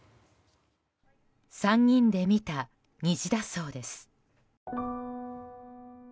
３人で見た虹だそうです。